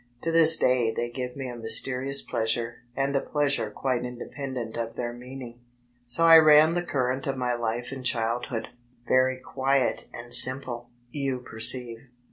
To this day they give me a mysKrious pleasure and a pleasure quite independent of their meaning. So ran the current of my life in childhood, very quiet and simple, you perceive.